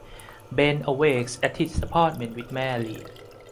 Ben awakes at his apartment with Mary.